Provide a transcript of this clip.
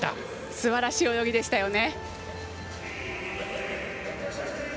すばらしい泳ぎでしたよね。